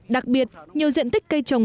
đặc biệt nhiều diện tích cây trồng